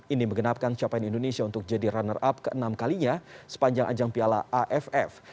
ini mengenapkan capaian indonesia untuk jadi runner up ke enam kalinya sepanjang ajang piala aff